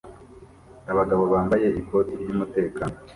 Abagabo bambaye ikoti ryumutekano